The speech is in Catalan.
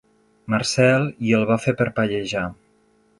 Marcel i el va fer parpellejar.